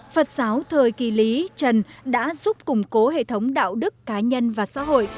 phật giáo thời kỳ lý trần đã giúp củng cố hệ thống đạo đức cá nhân và xã hội